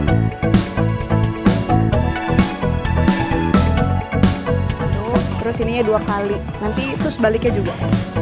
aduh terus ininya dua kali nanti terus baliknya juga